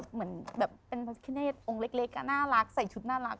เหมือนพ่อพิฆาเนสองลักหน้ารักใส่ชุดน่ารัก